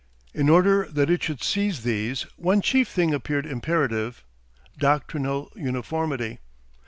In order that it should seize these one chief thing appeared imperative: doctrinal uniformity.